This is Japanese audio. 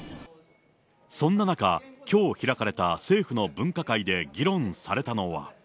そんな中、きょう開かれた政府の分科会で議論されたのは。